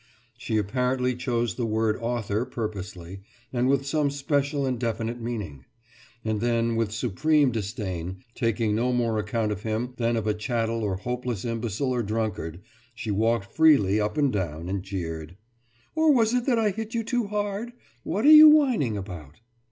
« She apparently chose the word author purposely, and with some special and definite meaning. And then, with supreme disdain, taking no more account of him than of a chattel or hopeless imbecile or drunkard, she walked freely up and down, and jeered: »Or was it that I hit you too hard? What are you whining about?